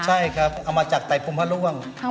ใช่ครับเอามาจากไตพรมพระร่วง